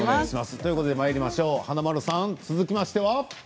ということでまいりましょう華丸さん続いては。